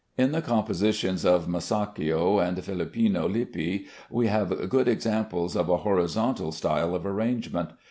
In the compositions of Masaccio and Filippino Lippi we have good examples of a horizontal style of arrangement.